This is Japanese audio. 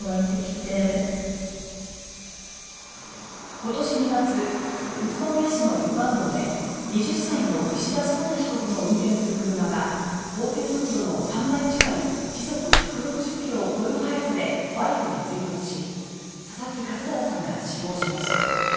今年２月、宇都宮市の一般道で２０歳の石田颯汰被告の運転する車が法定速度の３倍近い時速１６０ｋｍを超える速さでバイクに追突し佐々木一匡さんが死亡しました。